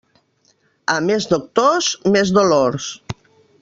A més doctors, més dolors.